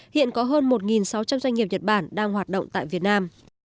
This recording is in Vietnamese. hiện có hơn một sáu trăm linh doanh nghiệp nhật bản đang hoạt động tại việt nam